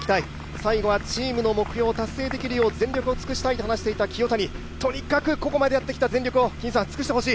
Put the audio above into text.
最後はチームの目標を達成できるよう全力を尽くしたいと話していた清谷、とにかくここまでやってきたら、全力を尽くしてほしい。